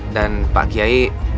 dan pak kiai